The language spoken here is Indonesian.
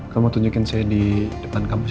kamu tunjukin saya di depan kampus